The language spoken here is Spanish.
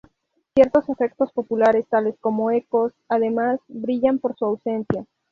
Ciertos efectos populares tales como ecos, además, brillan por su ausencia.